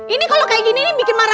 ini kalau kayak gini bikin marah marah